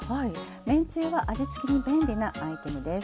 めんつゆは味付けに便利なアイテムです。